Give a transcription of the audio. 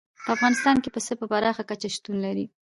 په افغانستان کې پسه په پراخه کچه شتون لري.